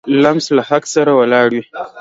لمسی له حق سره ولاړ وي.